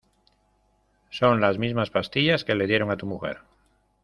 son las mismas pastillas que le dieron a tu mujer.